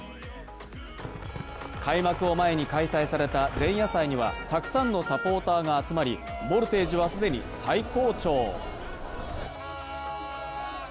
開幕を前に開催された前夜祭には、たくさんのサポーターが集まり、ボルテージは既に最高潮。